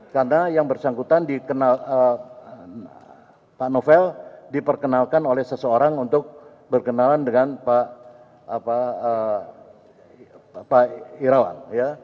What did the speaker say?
karena yang bersangkutan dikenal pak novel diperkenalkan oleh seseorang untuk berkenalan dengan pak iryawan